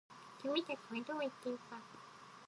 君たちはどう生きるか。